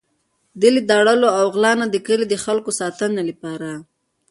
دی له داړلو او غلا نه د کلي د خلکو ساتنې لپاره.